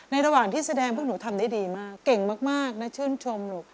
ระหว่างที่แสดงพวกหนูทำได้ดีมากเก่งมากนะชื่นชมหนู